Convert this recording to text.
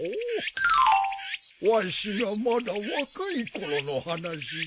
わしがまだ若いころの話じゃ。